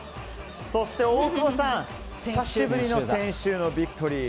そして大久保さん、先週久しぶりのビクトリー。